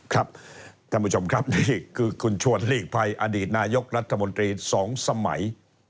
ท่านผู้ชมครับนี่คือคุณชวนหลีกภัยอดีตนายกรัฐมนตรี๒สมัย